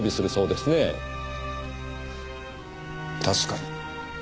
確かに。